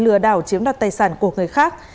lừa đảo chiếm đoạt tài sản của người khác